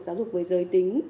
giáo dục với giới tính